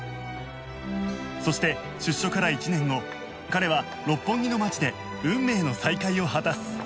そして出所から１年後彼は六本木の街で運命の再会を果たす